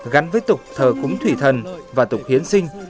gắn với tục thờ cúng thủy thần và tục hiến sinh